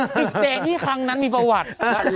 ตึกแดงที่ครั้งนั้นมีประวัติ